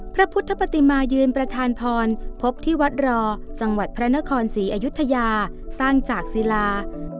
พระพุทธปฏิมายืนประธานพรพบที่วัดรอจังหวัดพระนครศรีอยุธยาสร้างจากศิลา